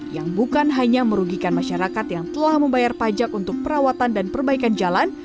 yang bukan hanya merugikan masyarakat yang telah membayar pajak untuk perawatan dan perbaikan jalan